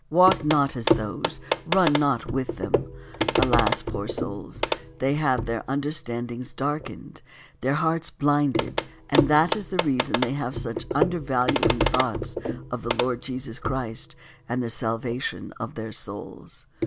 '' "Walk not as those, run not with them ; alas, poor souls, they have their understandings darkened, their hearts blinded, and that is the reason they have such undervaluing thoughts of the Lord Jesus Christ and the salvation of their souls.